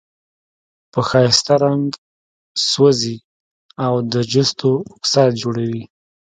په ښایسته رنګ سوزي او د جستو اکسایډ جوړوي.